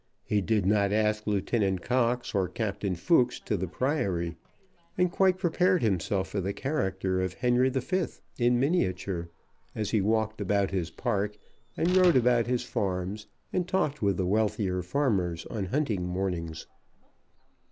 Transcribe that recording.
He did not ask Lieutenant Cox or Captain Fooks to the Priory, and quite prepared himself for the character of Henry V. in miniature, as he walked about his park, and rode about his farms, and talked with the wealthier farmers on hunting mornings.